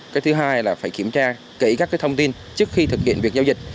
cái thứ hai là phải kiểm tra kỹ các thông tin trước khi thực hiện việc giao dịch